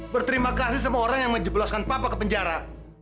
berterima kasih sama orang yang menjebloskan papa ke penjara